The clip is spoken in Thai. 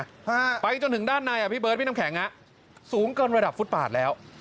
ฮะไปจนถึงด้านในอ่ะพี่เบิร์ดพี่น้ำแข็งฮะสูงเกินระดับฟุตปาดแล้ว